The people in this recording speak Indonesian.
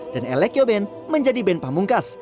dan elekio band menjadi band pambungkas